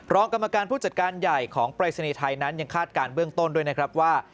กรรมการผู้จัดการใหญ่ของปรายศนีย์ไทยนั้นยังคาดการณ์เบื้องต้นด้วยนะครับว่า